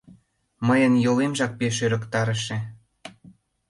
Мыйын йолемжак пеш ӧрыктарыше...